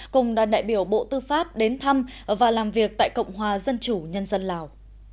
cùng đoàn đại biểu bộ tư pháp đến thăm và làm việc tại cộng hòa dân chủ nhân dân lào